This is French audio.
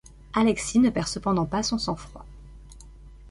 Alexis ne perd cependant pas son sang-froid.